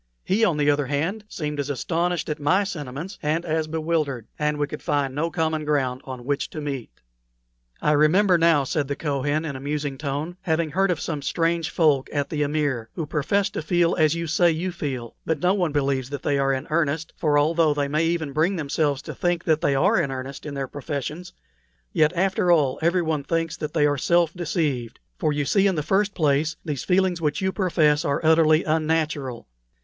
He, on the other hand, seemed as astonished at my sentiments and as bewildered, and we could find no common ground on which to meet. "I remember now," said the Kohen, in a musing tone, "having heard of some strange folk at the Amir, who profess to feel as you say you feel, but no one believes that they are in earnest; for although they may even bring themselves to think that they are in earnest in their professions, yet after all everyone thinks that they are self deceived. For you see, in the first place, these feelings which you profess are utterly unnatural.